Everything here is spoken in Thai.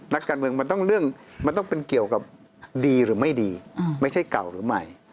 นักการเมืองมันต้องเป็นเกี่ยวกับดีหรือไม่ดีไม่ใช่เก่าหรือใหม่